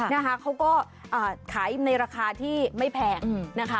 นะคะเขาก็ขายในราคาที่ไม่แพงนะคะ